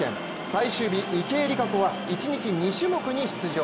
最終日、池江璃花子は一日２種目に出場。